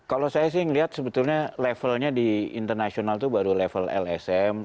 kalau saya sih melihat sebetulnya levelnya di internasional itu baru level lsm